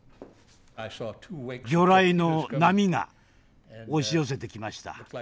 魚雷の波が押し寄せてきました。